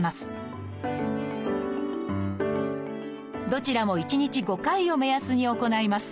どちらも１日５回を目安に行います